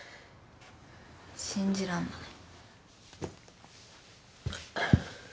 信じらんない。